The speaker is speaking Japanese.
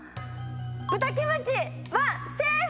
豚キムチはセーフです！